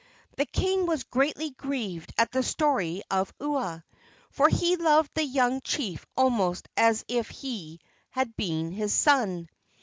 The king was greatly grieved at the story of Ua, for he loved the young chief almost as if he had been his son.